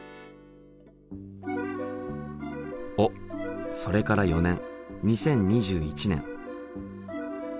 おっそれから４年２０２１年。